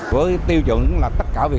với tiêu chuẩn là tất cả về khách hàng